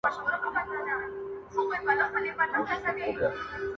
جاله هم سوله پر خپل لوري روانه.!